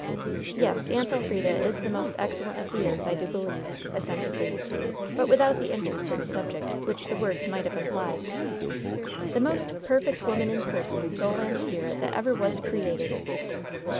"Yes, Aunt Elfrida is the most excellent of the earth, I do believe," assented Le; but without the interest in the subject which the words might have implied. "The most perfect woman in person, soul and spirit that ever was created!"